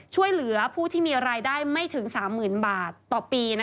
ช่วยเหลือผู้ที่มีรายได้ไม่ถึง๓๐๐๐บาทต่อปี